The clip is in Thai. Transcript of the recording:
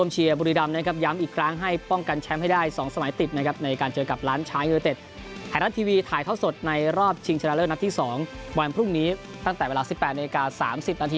ชิงชนะเลิกนักที่๒วันพรุ่งนี้ตั้งแต่เวลา๑๘น๓๐นนะครับ